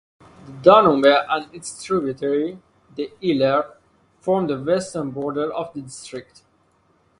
The Danube and its tributary, the Iller, form the western border of the district.